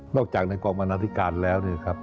นอกจากในกองบรรณาธิการแล้ว